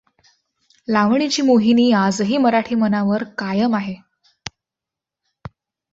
लावणीची मोहिनी आजही मराठी मनावर कायम आहे.